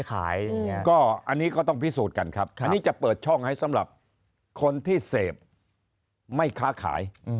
อันนี้ก็ต้องพิสูจน์กันครับอันนี้จะเปิดช่องให้สำหรับคนที่เสพไม่ค้าขาย